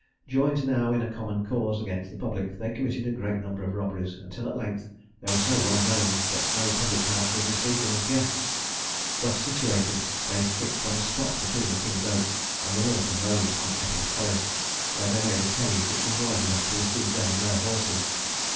Joined now in a common cause against the public, they committed a great number of robberies, until at length they were so well known that no public house would receive them as guests. Thus situated, they fixed on a spot between the King's Oak and the Loughton road, on Epping Forest, where they made a cave which was large enough to receive them and their horses.